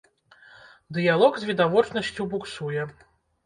Дыялог з відавочнасцю буксуе.